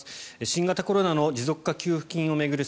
新型コロナの持続化給付金を巡る